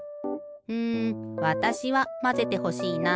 うんわたしはまぜてほしいな。